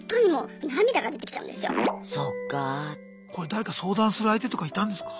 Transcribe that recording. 誰か相談する相手とかいたんですか？